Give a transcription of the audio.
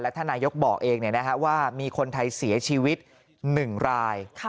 ท่านนายกบอกเองว่ามีคนไทยเสียชีวิต๑ราย